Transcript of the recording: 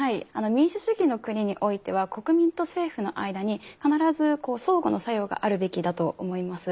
民主主義の国においては国民と政府の間に必ず相互の作用があるべきだと思います。